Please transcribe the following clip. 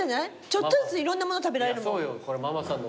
ちょっとずついろんなもの食べられるもん。